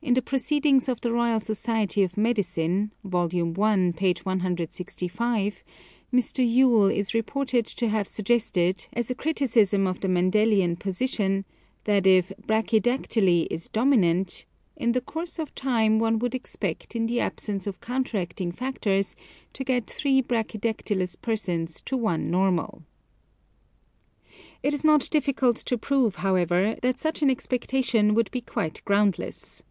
In the Proceedings of the Royal Society of Medicine (Vol. I., p. 165) Mr. Yule is re ported to have suggested, as a criticism of the Mendelian position, that if brachydactyly is dominant " in the course of time one would expect, in the absence of counteracting factors, to get three brachydactylous persons to one normal." It is not difficult to prove, however, that such an expectation would be quite ground less.